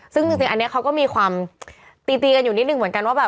ซึ่งจริงอันนี้เขาก็มีความตีตีกันอยู่นิดนึงเหมือนกันว่าแบบ